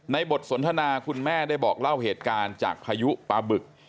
บทสนทนาคุณแม่ได้บอกเล่าเหตุการณ์จากพายุปลาบึก